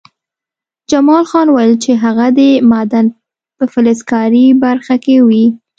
جمال خان وویل چې هغه د معدن په فلزکاري برخه کې وي